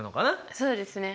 そうですね。